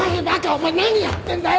お前何やってんだよ！